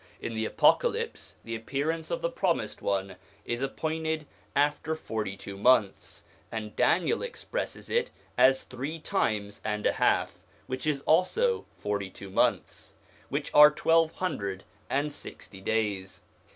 In the Apocalypse, the appearance of the Promised One is appointed after forty two months, and Daniel expresses it as three times and a half, which is also forty two months ; which are twelve hundred and sixty days.